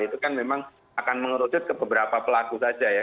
itu kan memang akan mengerucut ke beberapa pelaku saja ya